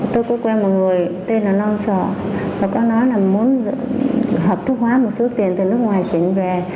tôi có quen một người tên là long so và con nói là muốn hợp thức hóa một số tiền từ nước ngoài chuyển về